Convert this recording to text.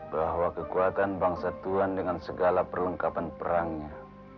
bahwa kekuatan bangsa tuhan dengan segala perlengkapan perangnya